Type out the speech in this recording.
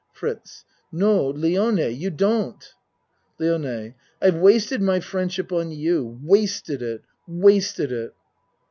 FRITZ No Lione you don't LIONE I've wasted my friendship on you wasted it wasted it